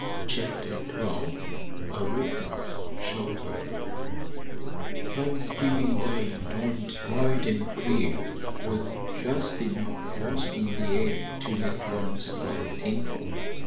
CHAPTER XII A RECKLESS CHAUFFEUR Thanksgiving Day dawned bright and clear, with just enough frost in the air to make one's blood tingle.